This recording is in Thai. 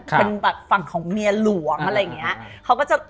เป็นแบบฝั่งของเมียหลวงอะไรอย่างนี้